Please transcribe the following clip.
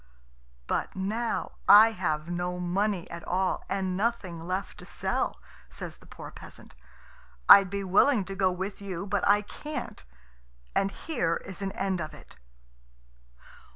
"But now I have no money at all, and nothing left to sell," says the poor peasant. "I'd be willing enough to go with you, but I can't, and here is an end of it."